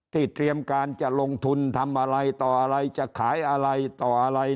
เตรียมการจะลงทุนทำอะไรต่ออะไรจะขายอะไรต่ออะไร